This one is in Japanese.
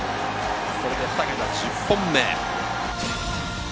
これで２桁１０本目。